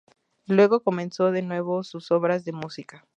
Luego comenzó de nuevo sus obras de música.